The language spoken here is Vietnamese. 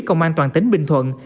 công an toàn tính bình thuận